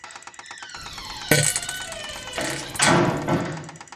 Banoonye akalulu era bafube okulaba nga bawangula akalulu ka bbiri abiri mu gumu.